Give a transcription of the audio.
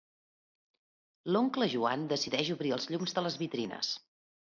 L'oncle Joan decideix obrir els llums de les vitrines.